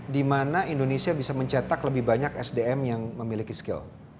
di mana indonesia bisa mencetak lebih banyak sdm yang memiliki skill